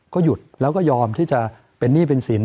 ก็หยุดแล้วก็ยอมที่จะเป็นหนี้เป็นสิน